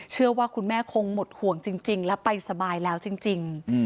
เชื่อว่าคุณแม่คงหมดห่วงจริงแล้วไปสบายแล้วจริง